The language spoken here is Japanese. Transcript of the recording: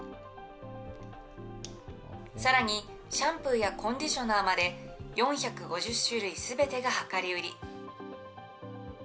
さらに、シャンプーやコンディショナーまで、４５０種類すべてが量り売り。